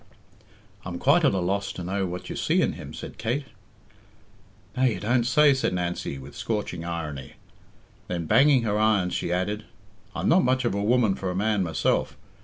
"I'm quite at a loss to know what you see in him," said Kate. "Now, you don't say!" said Nancy with scorching irony. Then, banging her irons, she added, "I'm not much of a woman for a man myself.